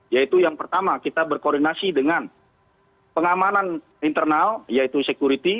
yaitu yang pertama kita berkoordinasi dengan pengamanan internal yaitu security